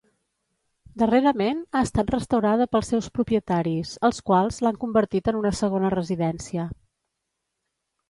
Darrerament ha estat restaurada pels seus propietaris, els quals l'han convertit en una segona residència.